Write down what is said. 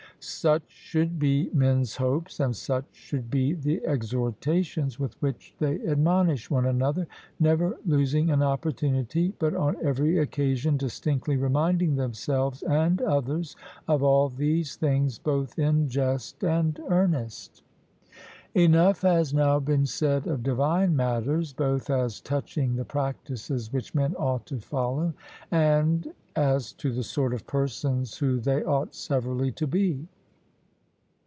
Such should be men's hopes, and such should be the exhortations with which they admonish one another, never losing an opportunity, but on every occasion distinctly reminding themselves and others of all these things, both in jest and earnest. Enough has now been said of divine matters, both as touching the practices which men ought to follow, and as to the sort of persons who they ought severally to be.